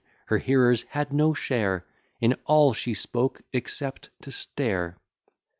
her hearers had no share In all she spoke, except to stare.